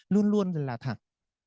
luôn luôn là thẳng